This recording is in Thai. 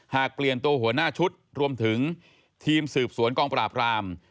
หากเปลี่ยนตัวหัวหน้าชุดรวมถึงทีมสืบสวนกองปราบราม